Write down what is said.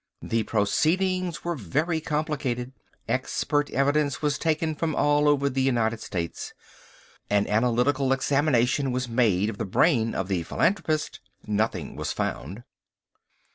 The proceedings were very complicated—expert evidence was taken from all over the United States. An analytical examination was made of the brain of the philanthropist. Nothing was found.